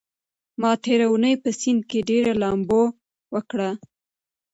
ما تېره اونۍ په سيند کې ډېره لامبو وکړه.